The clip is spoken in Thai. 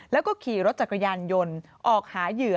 แล้วก็ขี่รถจักรยานยนต์ออกหาเหยื่อ